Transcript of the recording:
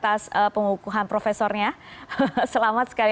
terima kasih pak nusirwan pengukuhan profesornya selamat sekali lagi